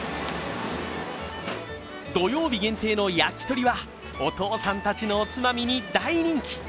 土曜日限定の焼き鳥はお父さんたちのおつまみに大人気。